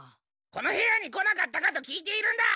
この部屋に来なかったかと聞いているんだ！